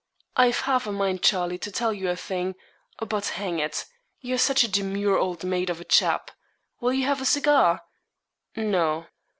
I've half a mind, Charlie, to tell you a thing; but hang it! you're such a demure old maid of a chap. Will you have a cigar?' 'No.'